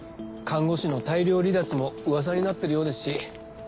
看護師の大量離脱もうわさになってるようですし。